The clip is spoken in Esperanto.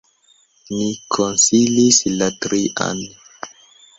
Ni konsilis la trian.